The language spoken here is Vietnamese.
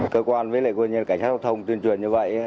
cơ quan với cảnh sát giao thông tuyên truyền như vậy